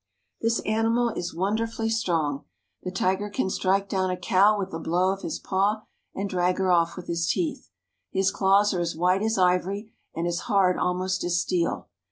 This animal is wonderfully strong. The tiger can strike down a cow with a blow of his paw, and drag her off with his teeth. His claws are as white as ivory, and as hard almost as steel.